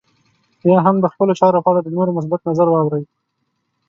يا هم د خپلو چارو په اړه د نورو مثبت نظر واورئ.